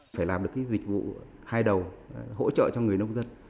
phải làm được cái dịch vụ hai đầu hỗ trợ cho người nông dân